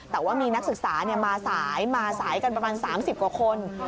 แต่ว่ามีนักศึกษามาสายมาสายกันประมาณ๓๐กว่าคน